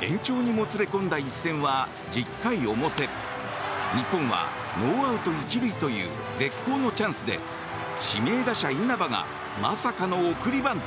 延長にもつれ込んだ一戦は１０回表日本は、ノーアウト１塁という絶好のチャンスで指名打者、稲葉がまさかの送りバント。